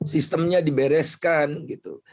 sistemnya dibereskan gitu